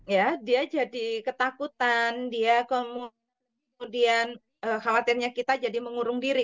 ya dia jadi ketakutan dia kemudian khawatirnya kita jadi mengurung diri